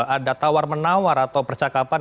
ada tawar menawar atau percakapan